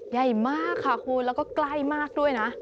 ใหญ่มากค่ะคุณแล้วก็ใกล้มากด้วยนะ